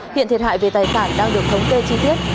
hiện thiệt hại về tài sản đang được khống chế chi tiết